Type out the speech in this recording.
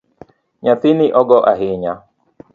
Nyathini ogo ahinya.